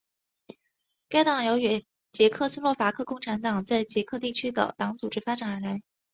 该党由原捷克斯洛伐克共产党在捷克地区的党组织发展而来。